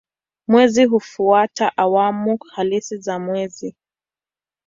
Mwezi hufuata awamu halisi za mwezi.